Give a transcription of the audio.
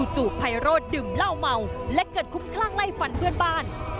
ไพโรธดื่มเหล้าเมาและเกิดคุ้มคลั่งไล่ฟันเพื่อนบ้าน